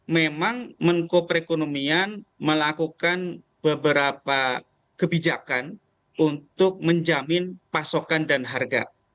memang menko perekonomian melakukan beberapa kebijakan untuk menjamin pasokan dan harga